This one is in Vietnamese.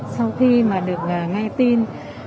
sau khi mà được nghe tin